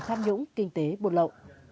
tham nhũng kinh tế buôn lậu